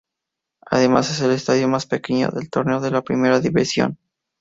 Además es el estadio más pequeño del torneo de Primera División.